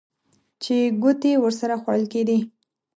چې ګوتې ورسره خوړل کېدې.